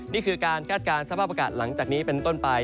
นี่คือการคาดการณ์สภาพอากาศหลังจากนี้เป็นต้นไป